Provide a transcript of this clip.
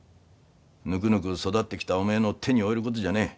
ぬくぬく育ってきたおめえの手に負えることじゃねえ。